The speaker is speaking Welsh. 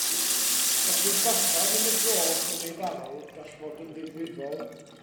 Os yw baban yn y groth yn ei ddal, gall fod yn ddifrifol.